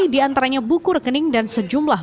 di antaranya buku rekening dan sejumlah